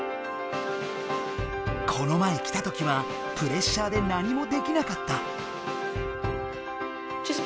この前来たときはプレッシャーで何もできなかった。